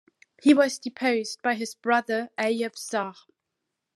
He was deposed by his brother Ayub Shah.